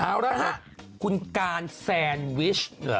เอาล่ะครับคุณการแซนวิช